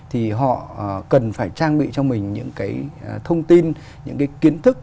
thì họ cần phải trang bị cho mình những cái thông tin những cái kiến thức